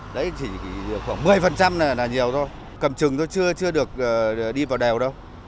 đấy chỉ khoảng một mươi là nhiều thôi cầm chừng thôi chưa được đi vào đèo đâu